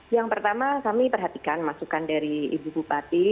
yang pertama kami perhatikan masukan dari ibu bupati